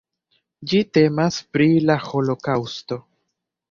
Ĝi temas pri la Holokaŭsto.